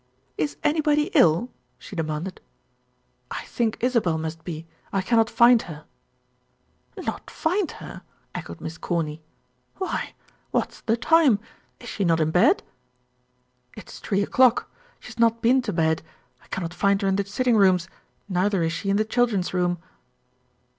"Is anybody ill?" she demanded. "I think Isabel must be, I cannot find her." "Not find her?" echoed Miss Corny. "Why, what's the time? Is she not in bed?" "It is three o'clock. She had not been to bed. I cannot find her in the sitting rooms; neither is she in the children's room."